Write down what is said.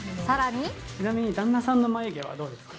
ちなみに、旦那さんの眉毛はどうですか？